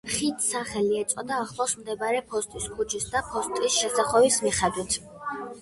ხიდს სახელი ეწოდა ახლოს მდებარე ფოსტის ქუჩის და ფოსტის შესახვევის მიხედვით.